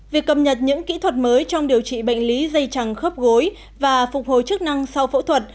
việc cập nhật những kỹ thuật mới trong điều trị bệnh lý dây chẳng khớp gối và phục hồi chức năng sau phẫu thuật